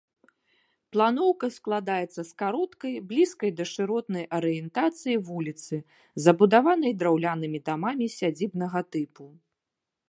Планоўка складаецца з кароткай, блізкай да шыротнай арыентацыі вуліцы, забудаванай драўлянымі дамамі сядзібнага тыпу.